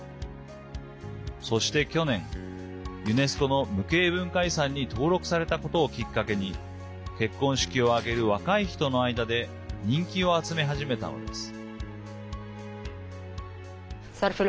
そして去年ユネスコの無形文化遺産に登録されたことをきっかけに結婚式を挙げる若い人の間で人気を集め始めたのです。